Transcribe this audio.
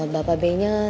bapak b nya